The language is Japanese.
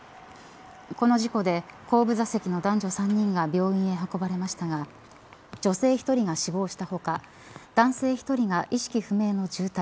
この事故で後部座席の男女３人が病院へ運ばれましたが女性１人が死亡した他男性１人が意識不明の重体